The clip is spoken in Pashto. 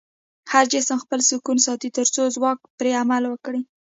هر جسم خپل سکون ساتي تر څو ځواک پرې عمل وکړي.